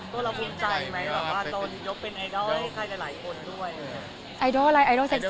ก็เราคุ้มใจไหมว่าตอนที่ยกเป็นไอดอลให้ใครก็หลายคนด้วย